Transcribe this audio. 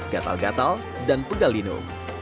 gatal gatal dan pegal linu